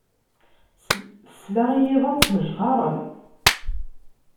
Tesla i yiḍan ttmejxaren.